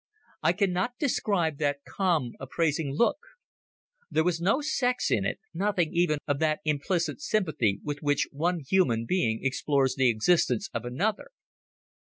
I cannot describe that calm appraising look. There was no sex in it, nothing even of that implicit sympathy with which one human being explores the existence of another.